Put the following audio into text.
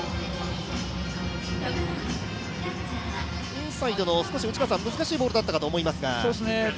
インサイドの難しいボールだったかと思いますが。